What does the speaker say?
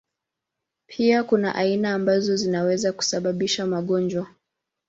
Kuna pia aina ambazo zinaweza kusababisha magonjwa.